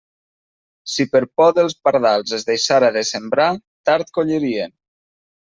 Si per por dels pardals es deixara de sembrar, tard collirien.